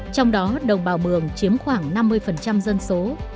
trong đó đồng bào mường chiếm khoảng năm mươi dân số